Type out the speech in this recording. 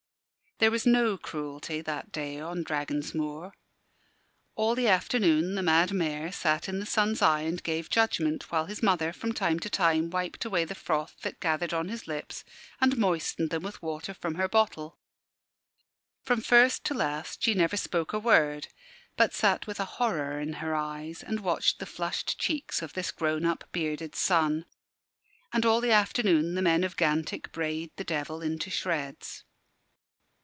There was no cruelty that day on Dragon's Moor. All the afternoon the mad Mayor sat in the sun's eye and gave judgment, while his mother from time to time wiped away the froth that gathered on his lips, and moistened them with water from her bottle. From first to last she never spoke a word, but sat with a horror in her eyes, and watched the flushed cheeks of this grown up, bearded son. And all the afternoon the men of Gantick brayed the Devil into shreds.